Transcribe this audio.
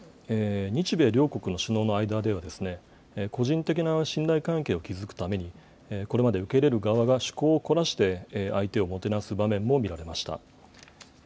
日米両国の首脳の間では、個人的な信頼関係を築くために、これまで受け入れる側が趣向を凝らして、相手をもてなす場面も見られました。